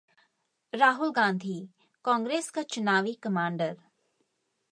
राहुल गांधी: कांग्रेस का चुनावी कमांडर